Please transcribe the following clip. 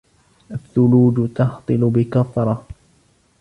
الثلوج تهطل بكثرة